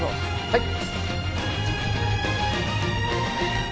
はい。